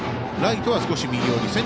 ライトは少し右寄り。